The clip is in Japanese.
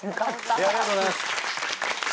ありがとうございます。